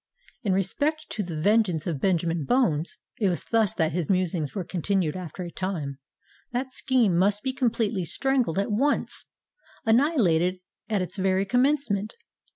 "In respect to the vengeance of Benjamin Bones,"—it was thus that his musings were continued after a time,—"that scheme must be completely strangled at once—annihilated at its very commencement.